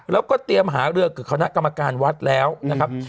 แล้วก็เตรียมหารือกับคณะกรรมการวัดแล้วนะครับ